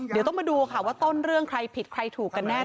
เดี๋ยวต้องมาดูค่ะว่าต้นเรื่องใครผิดใครถูกกันแน่